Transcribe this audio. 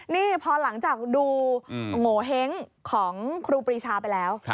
นี่พอหลังจากดูโงเห้งของครูปรีชาไปแล้ว